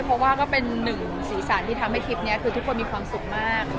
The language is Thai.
เพราะว่าก็เป็นหนึ่งสีสันที่ทำให้ทริปนี้คือทุกคนมีความสุขมาก